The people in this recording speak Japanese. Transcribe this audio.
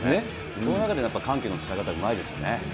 この中でやっぱり緩急の使い方、うまいですよね。